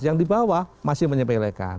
yang di bawah masih menyepelekan